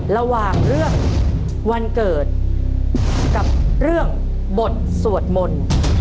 ระหว่างเรื่องวันเกิดกับเรื่องบทสวดมนต์